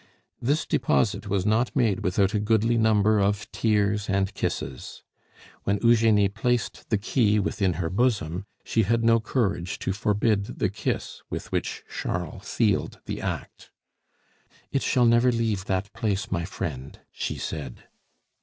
This deposit was not made without a goodly number of tears and kisses. When Eugenie placed the key within her bosom she had no courage to forbid the kiss with which Charles sealed the act. "It shall never leave that place, my friend," she said.